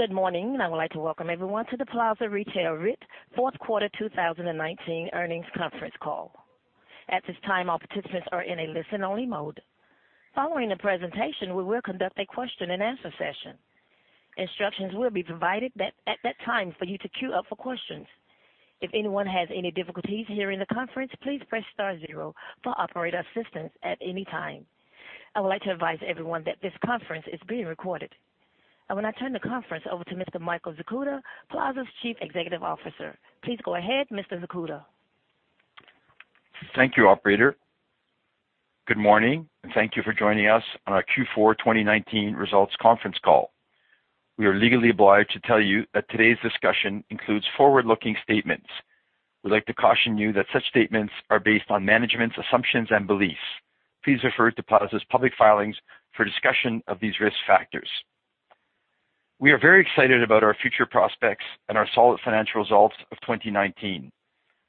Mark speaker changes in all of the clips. Speaker 1: Good morning. I would like to welcome everyone to the Plaza Retail REIT fourth quarter 2019 earnings conference call. At this time, all participants are in a listen-only mode. Following the presentation, we will conduct a question-and-answer session. Instructions will be provided at that time for you to queue up for questions. If anyone has any difficulties hearing the conference, please press star zero for operator assistance at any time. I would like to advise everyone that this conference is being recorded. I will now turn the conference over to Mr. Michael Zakuta, Plaza's Chief Executive Officer. Please go ahead, Mr. Zakuta.
Speaker 2: Thank you, operator. Good morning, thank you for joining us on our Q4 2019 results conference call. We are legally obliged to tell you that today's discussion includes forward-looking statements. We'd like to caution you that such statements are based on management's assumptions and beliefs. Please refer to Plaza's public filings for a discussion of these risk factors. We are very excited about our future prospects and our solid financial results of 2019.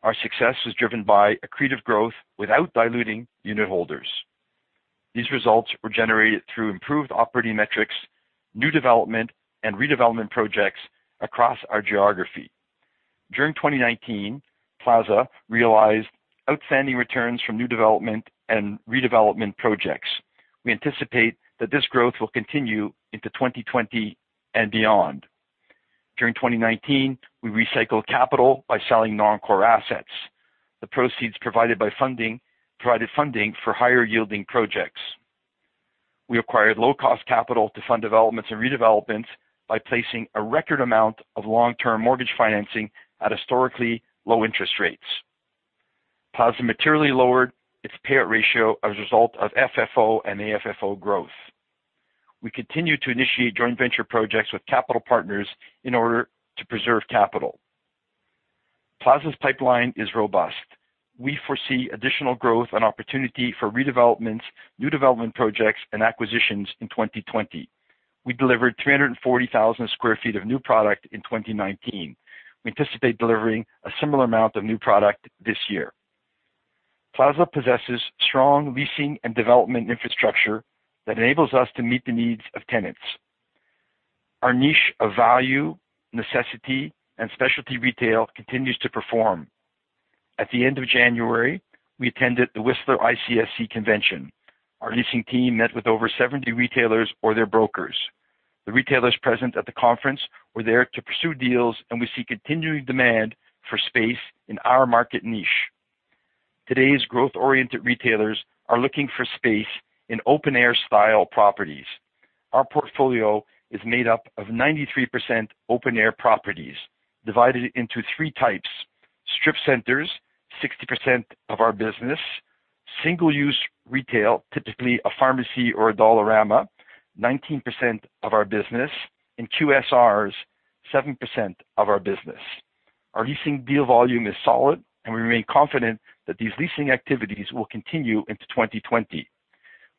Speaker 2: Our success was driven by accretive growth without diluting unitholders. These results were generated through improved operating metrics, new development, and redevelopment projects across our geography. During 2019, Plaza realized outstanding returns from new development and redevelopment projects. We anticipate that this growth will continue into 2020 and beyond. During 2019, we recycled capital by selling non-core assets. The proceeds provided funding for higher-yielding projects. We acquired low-cost capital to fund developments and redevelopments by placing a record amount of long-term mortgage financing at historically low interest rates. Plaza materially lowered its payout ratio as a result of FFO and AFFO growth. We continue to initiate joint venture projects with capital partners in order to preserve capital. Plaza's pipeline is robust. We foresee additional growth and opportunity for redevelopments, new development projects, and acquisitions in 2020. We delivered 340,000 sq ft of new product in 2019. We anticipate delivering a similar amount of new product this year. Plaza possesses strong leasing and development infrastructure that enables us to meet the needs of tenants. Our niche of value, necessity, and specialty retail continues to perform. At the end of January, we attended the Whistler ICSC Convention. Our leasing team met with over 70 retailers or their brokers. The retailers present at the conference were there to pursue deals, and we see continuing demand for space in our market niche. Today's growth-oriented retailers are looking for space in open-air style properties. Our portfolio is made up of 93% open-air properties divided into three types, strip centers, 60% of our business, single-use retail, typically a pharmacy or a Dollarama, 19% of our business, and QSRs, 7% of our business. Our leasing deal volume is solid, and we remain confident that these leasing activities will continue into 2020.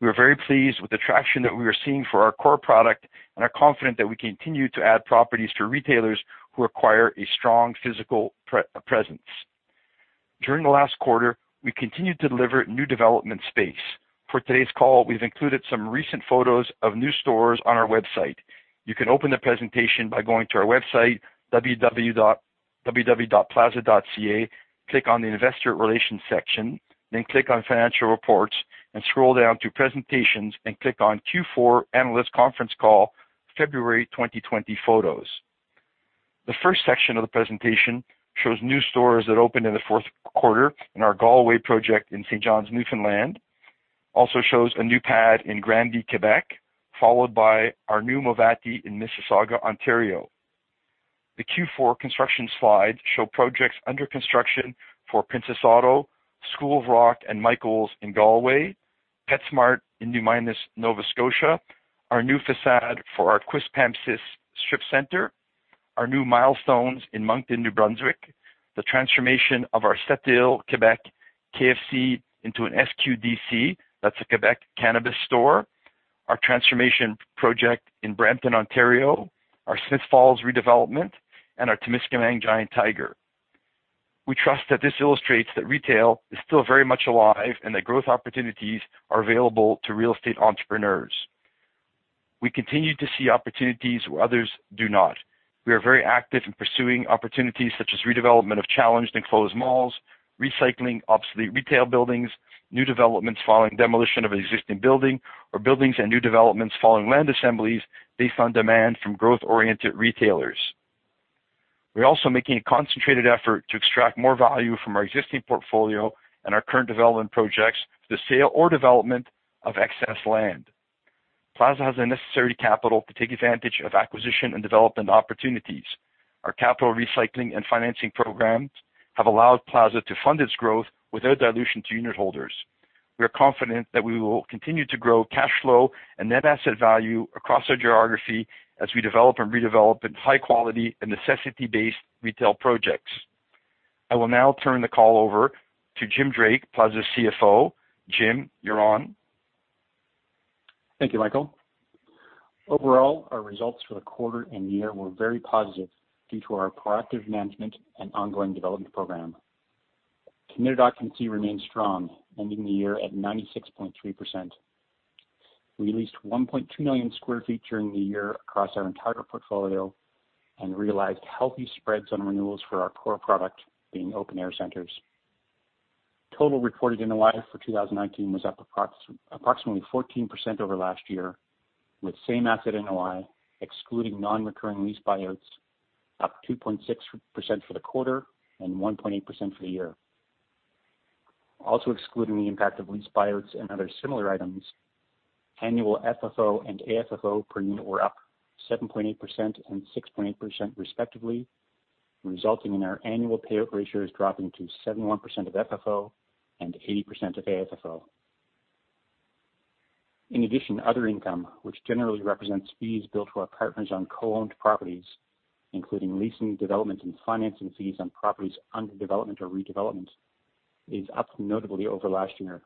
Speaker 2: We are very pleased with the traction that we are seeing for our core product and are confident that we continue to add properties to retailers who require a strong physical presence. During the last quarter, we continued to deliver new development space. For today's call, we've included some recent photos of new stores on our website. You can open the presentation by going to our website, www.plaza.ca, click on the investor relations section, then click on financial reports and scroll down to presentations and click on Q4 analyst conference call February 2020 photos. The first section of the presentation shows new stores that opened in the fourth quarter in our Galway project in St. John's, Newfoundland. It also shows a new pad in Granby, Quebec, followed by our new Movati in Mississauga, Ontario. The Q4 construction slides show projects under construction for Princess Auto, School of Rock, and Michaels in Galway, PetSmart in New Minas, Nova Scotia, our new façade for our Quispamsis strip center, our new Milestones in Moncton, New Brunswick, the transformation of our Sept-Îles, Quebec, KFC into an SQDC. That's a Quebec cannabis store. Our transformation project in Brampton, Ontario, our Smiths Falls redevelopment, and our Temiskaming Giant Tiger. We trust that this illustrates that retail is still very much alive and that growth opportunities are available to real estate entrepreneurs. We continue to see opportunities where others do not. We are very active in pursuing opportunities such as redevelopment of challenged enclosed malls, recycling obsolete retail buildings, new developments following demolition of an existing building, or buildings and new developments following land assemblies based on demand from growth-oriented retailers. We are also making a concentrated effort to extract more value from our existing portfolio and our current development projects through the sale or development of excess land. Plaza has the necessary capital to take advantage of acquisition and development opportunities. Our Capital Recycling and financing programs have allowed Plaza to fund its growth without dilution to unitholders. We are confident that we will continue to grow cash flow and net asset value across our geography as we develop and redevelop high-quality and necessity-based retail projects. I will now turn the call over to Jim Drake, Plaza's CFO. Jim, you're on.
Speaker 3: Thank you, Michael. Overall, our results for the quarter and year were very positive due to our proactive management and ongoing development program. Committed occupancy remains strong, ending the year at 96.3%. We leased 1.2 million square feet during the year across our entire portfolio and realized healthy spreads on renewals for our core product being open-air centers. Total reported NOI for 2019 was up approximately 14% over last year, with Same-Asset Net Operating Income excluding non-recurring lease buyouts up 2.6% for the quarter and 1.8% for the year. Also, excluding the impact of lease buyouts and other similar items, annual FFO and AFFO per unit were up 7.8% and 6.8% respectively, resulting in our annual payout ratios dropping to 71% of FFO and 80% of AFFO. In addition, other income, which generally represents fees billed to our partners on co-owned properties, including leasing development and financing fees on properties under development or redevelopment, is up notably over last year.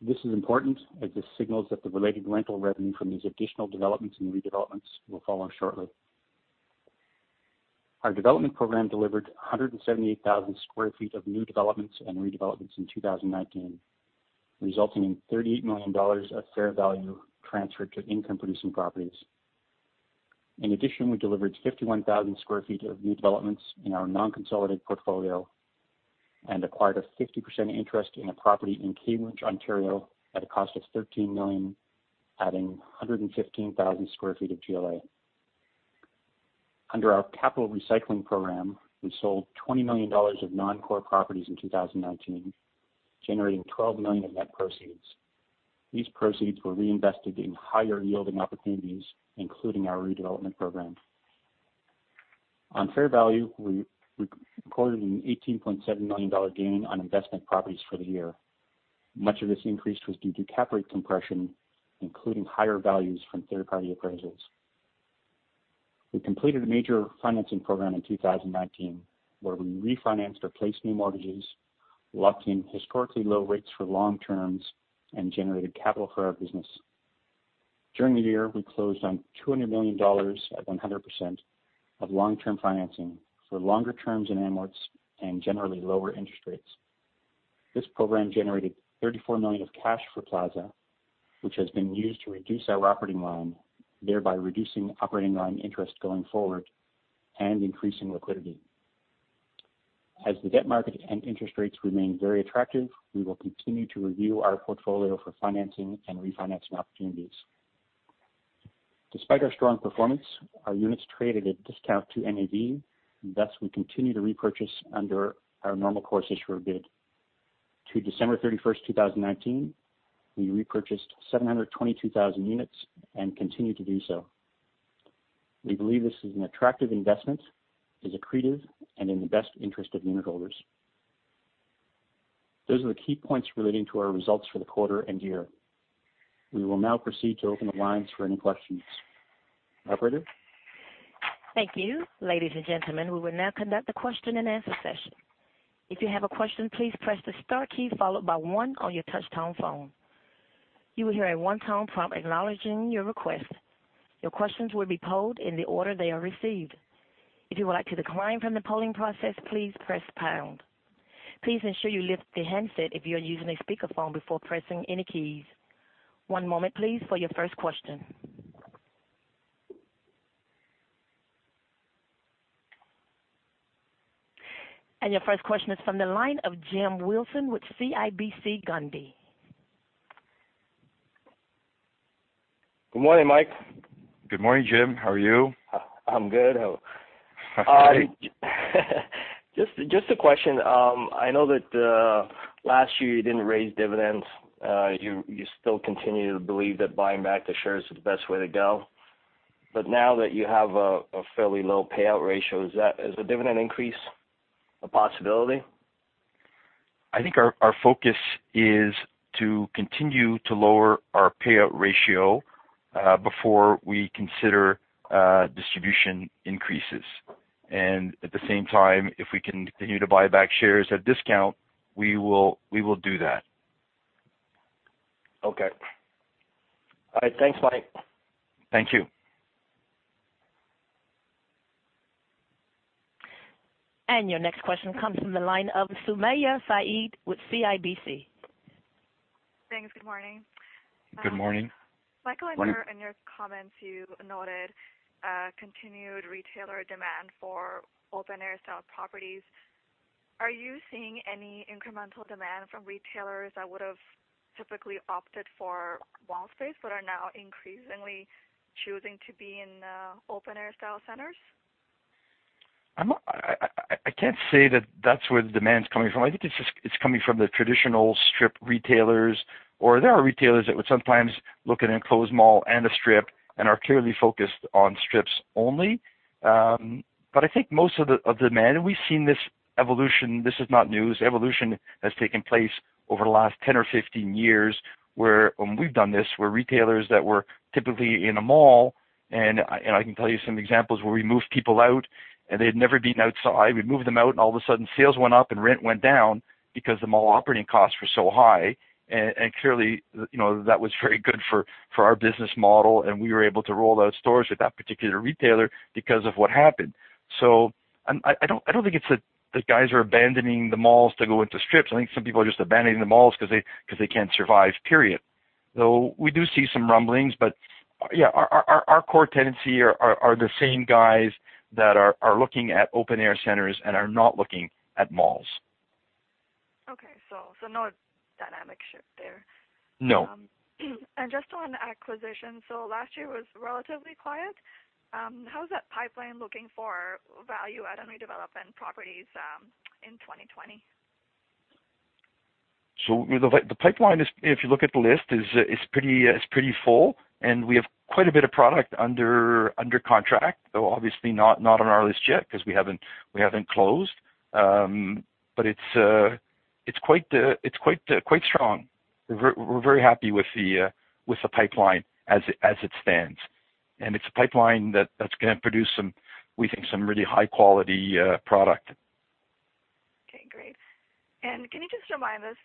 Speaker 3: This is important as this signals that the related rental revenue from these additional developments and redevelopments will follow shortly. Our development program delivered 178,000 sq ft of new developments and redevelopments in 2019, resulting in 38 million dollars of fair value transferred to income-producing properties. In addition, we delivered 51,000 sq ft of new developments in our non-consolidated portfolio and acquired a 50% interest in a property in Keswick, Ontario at a cost of 13 million, adding 115,000 sq ft of GLA. Under our capital recycling program, we sold 20 million dollars of non-core properties in 2019, generating 12 million of net proceeds. These proceeds were reinvested in higher-yielding opportunities, including our redevelopment program. On fair value, we reported an 18.7 million dollar gain on investment properties for the year. Much of this increase was due to cap rate compression, including higher values from third-party appraisals. We completed a major financing program in 2019, where we refinanced or placed new mortgages, locked in historically low rates for long terms, and generated capital for our business. During the year, we closed on 200 million dollars at 100% of long-term financing for longer terms and amortes and generally lower interest rates. This program generated 34 million of cash for Plaza, which has been used to reduce our operating loan, thereby reducing operating loan interest going forward and increasing liquidity. As the debt market and interest rates remain very attractive, we will continue to review our portfolio for financing and refinancing opportunities. Despite our strong performance, our units traded at a discount to NAV, and thus we continue to repurchase under our Normal Course Issuer Bid. To December 31st, 2019, we repurchased 722,000 units and continue to do so. We believe this is an attractive investment, is accretive, and in the best interest of unitholders. Those are the key points relating to our results for the quarter and year. We will now proceed to open the lines for any questions. Operator?
Speaker 1: Thank you. Ladies and gentlemen, we will now conduct the question-and-answer session. If you have a question, please press the star key followed by one on your touch-tone phone. You will hear a one-tone prompt acknowledging your request. Your questions will be polled in the order they are received. If you would like to decline from the polling process, please press pound. Please ensure you lift the handset if you are using a speakerphone before pressing any keys. One moment, please, for your first question. Your first question is from the line of Jim Wilson with CIBC Wood Gundy.
Speaker 4: Good morning, Mike.
Speaker 2: Good morning, Jim. How are you?
Speaker 4: I'm good. How are. Just a question. I know that last year you didn't raise dividends. You still continue to believe that buying back the shares is the best way to go. Now that you have a fairly low payout ratio, is a dividend increase a possibility?
Speaker 2: I think our focus is to continue to lower our payout ratio before we consider distribution increases. At the same time, if we continue to buy back shares at a discount, we will do that.
Speaker 4: Okay. All right. Thanks, Mike.
Speaker 2: Thank you.
Speaker 1: Your next question comes from the line of Sumayya Syed with CIBC.
Speaker 5: Thanks. Good morning.
Speaker 2: Good morning.
Speaker 5: Michael, in your comments, you noted continued retailer demand for open-air style properties. Are you seeing any incremental demand from retailers that would have typically opted for wall space but are now increasingly choosing to be in open-air style centers?
Speaker 2: I can't say that that's where the demand is coming from. I think it's coming from the traditional strip retailers, or there are retailers that would sometimes look at an enclosed mall and a strip and are clearly focused on strips only. I think most of the demand, and we've seen this evolution. This is not news. Evolution has taken place over the last 10 or 15 years where, and we've done this, where retailers that were typically in a mall, and I can tell you some examples where we moved people out, and they had never been outside. We moved them out, and all of a sudden, sales went up, and rent went down because the mall operating costs were so high. Clearly, that was very good for our business model, and we were able to roll out stores with that particular retailer because of what happened. I don't think it's that guys are abandoning the malls to go into strips. I think some people are just abandoning the malls because they can't survive, period. We do see some rumblings, yeah, our core tenancy are the same guys that are looking at open-air centers and are not looking at malls.
Speaker 5: Okay. No dynamic shift there.
Speaker 2: No.
Speaker 5: Just on acquisition, last year was relatively quiet. How is that pipeline looking for value add and redevelopment properties in 2020?
Speaker 2: The pipeline is, if you look at the list, it's pretty full, and we have quite a bit of product under contract, though obviously not on our list yet because we haven't closed. It's quite strong. We're very happy with the pipeline as it stands. It's a pipeline that's going to produce some, we think, some really high-quality product.
Speaker 5: Okay, great. Can you just remind us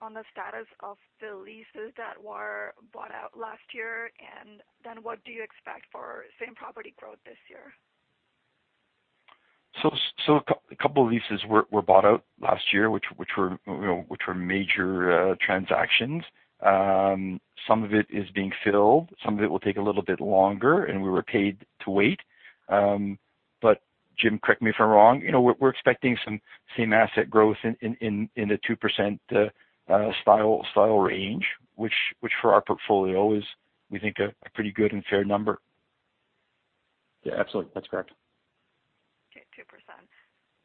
Speaker 5: on the status of the leases that were bought out last year, and then what do you expect for same property growth this year?
Speaker 2: A couple of leases were bought out last year, which were major transactions. Some of it is being filled, some of it will take a little bit longer, and we were paid to wait. Jim, correct me if I'm wrong, we're expecting some same asset growth in the 2% style range, which for our portfolio is, we think, a pretty good and fair number.
Speaker 3: Yeah, absolutely. That's correct.
Speaker 5: Okay, 2%.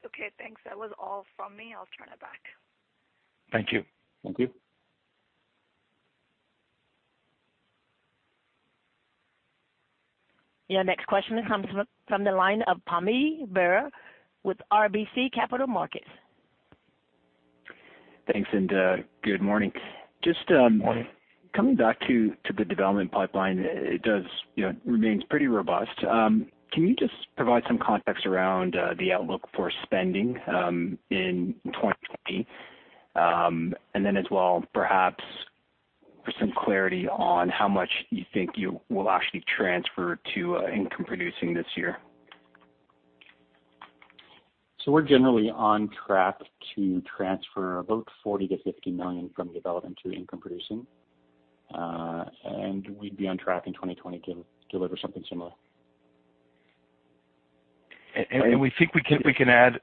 Speaker 5: Okay, thanks. That was all from me. I'll turn it back.
Speaker 2: Thank you.
Speaker 3: Thank you.
Speaker 1: Your next question comes from the line of Pammi Bir with RBC Capital Markets.
Speaker 6: Thanks and good morning.
Speaker 2: Good morning.
Speaker 6: Just coming back to the development pipeline, it does remain pretty robust. Can you just provide some context around the outlook for spending in 2020? As well, perhaps for some clarity on how much you think you will actually transfer to income producing this year.
Speaker 2: We're generally on track to transfer about 40 million-50 million from development to income producing. We'd be on track in 2020 to deliver something similar. We think we can add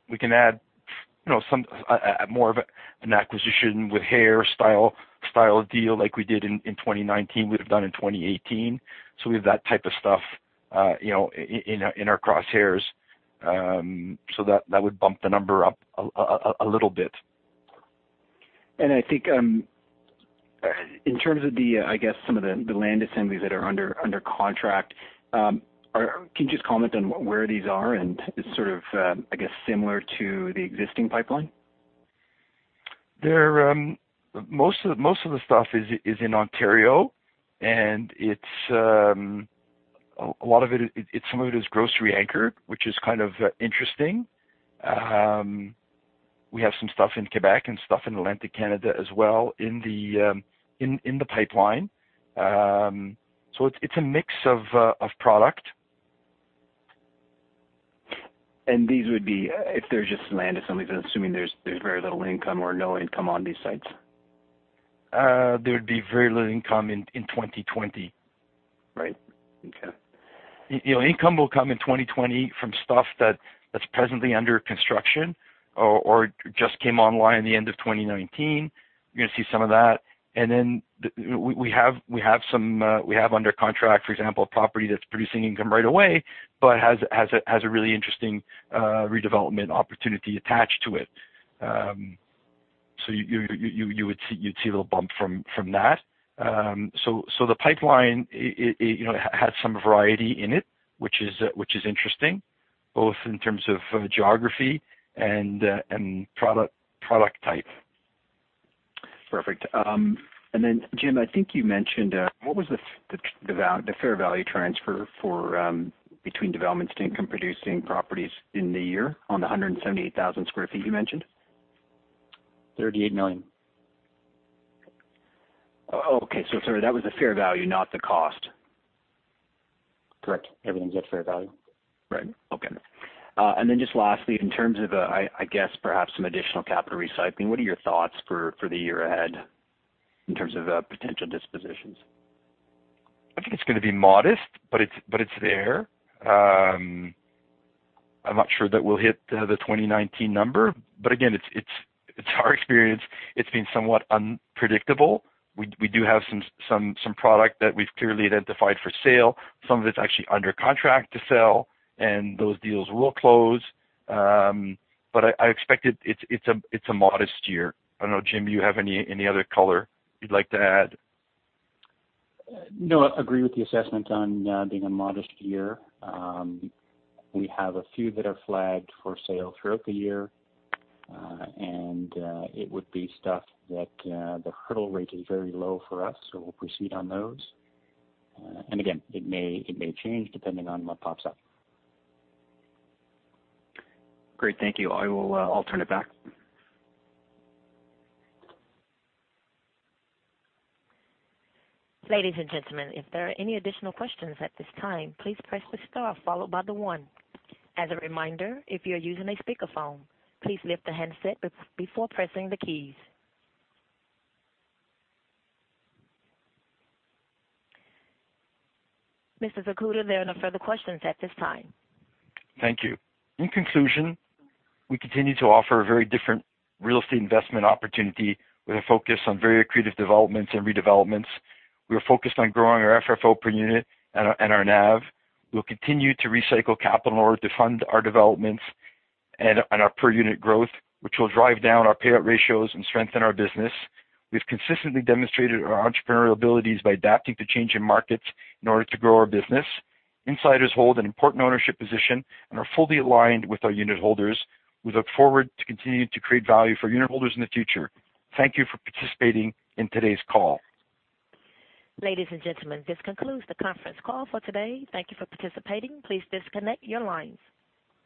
Speaker 2: more of an acquisition with hair style deal like we did in 2019, we'd have done in 2018. We have that type of stuff in our crosshairs. That would bump the number up a little bit.
Speaker 6: I think in terms of the, I guess some of the land assemblies that are under contract, can you just comment on where these are and sort of, I guess, similar to the existing pipeline?
Speaker 2: Most of the stuff is in Ontario, and some of it is grocery anchored, which is kind of interesting. We have some stuff in Quebec and stuff in Atlantic Canada as well in the pipeline. It's a mix of product.
Speaker 6: These would be, if they're just land assemblies, I'm assuming there's very little income or no income on these sites.
Speaker 2: There would be very little income in 2020.
Speaker 6: Right. Okay.
Speaker 2: Income will come in 2020 from stuff that's presently under construction or just came online at the end of 2019. You're going to see some of that. Then we have under contract, for example, a property that's producing income right away, but has a really interesting redevelopment opportunity attached to it. You'd see a little bump from that. The pipeline has some variety in it, which is interesting, both in terms of geography and product type.
Speaker 6: Perfect. Jim, I think you mentioned, what was the fair value transfer between developments to income-producing properties in the year on the 178,000 sq ft you mentioned?
Speaker 3: CAD 38 million.
Speaker 6: Oh, okay. Sorry, that was the fair value, not the cost.
Speaker 3: Correct. Everything's at fair value.
Speaker 6: Right. Okay. Then just lastly, in terms of, I guess perhaps some additional capital recycling, what are your thoughts for the year ahead in terms of potential dispositions?
Speaker 2: I think it's going to be modest, but it's there. I'm not sure that we'll hit the 2019 number. Again, it's our experience, it's been somewhat unpredictable. We do have some product that we've clearly identified for sale. Some of it's actually under contract to sell, and those deals will close. I expect it's a modest year. I don't know, Jim, you have any other color you'd like to add?
Speaker 3: No, I agree with the assessment on being a modest year. We have a few that are flagged for sale throughout the year. It would be stuff that the hurdle rate is very low for us, so we'll proceed on those. Again, it may change depending on what pops up.
Speaker 6: Great. Thank you. I will turn it back.
Speaker 1: Ladies and gentlemen, if there are any additional questions at this time, please press the star followed by the one. As a reminder, if you're using a speakerphone, please lift the handset before pressing the keys. Mr. Zakuta, there are no further questions at this time.
Speaker 2: Thank you. In conclusion, we continue to offer a very different real estate investment opportunity with a focus on very accretive developments and redevelopments. We are focused on growing our FFO per unit and our NAV. We'll continue to recycle capital in order to fund our developments and our per unit growth, which will drive down our payout ratios and strengthen our business. We've consistently demonstrated our entrepreneurial abilities by adapting to changing markets in order to grow our business. Insiders hold an important ownership position and are fully aligned with our unitholders. We look forward to continuing to create value for unitholders in the future. Thank you for participating in today's call.
Speaker 1: Ladies and gentlemen, this concludes the conference call for today. Thank you for participating. Please disconnect your lines.